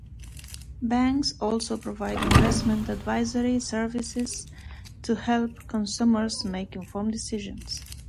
Banks also provide investment advisory services to help customers make informed decisions.